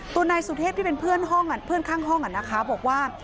ตัวนายสุเทพที่เป็นเพื่อนห้องเพื่อนข้างห้องบอกว่า